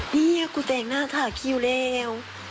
เนี่ยกูแต่งหน้าถาคิวแล้ว